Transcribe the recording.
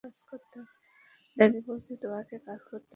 দাদি বলছে তোকেও কাজ করতে হবে।